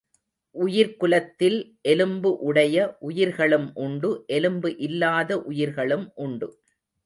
உயிர்க்குலத்தில் எலும்பு உடைய உயிர்களும் உண்டு எலும்பு இல்லாத உயிர்களும் உண்டு.